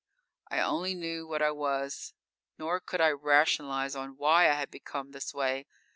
_ _I only knew what I was; nor could I rationalize on why I had become this way.